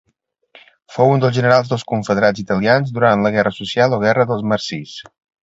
Fou un dels generals dels confederats italians durant la guerra social o guerra dels marsis.